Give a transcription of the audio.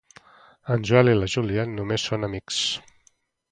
En Joel i la Júlia només són amics.